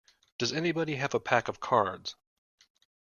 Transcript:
Does anybody have a pack of cards?